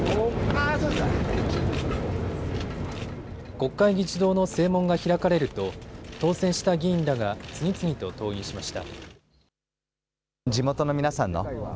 国会議事堂の正門が開かれると当選した議員らが次々と登院しました。